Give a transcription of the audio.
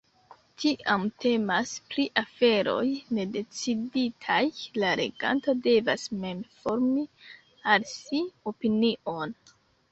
Tiam temas pri aferoj nedeciditaj: la leganto devas mem formi al si opinion.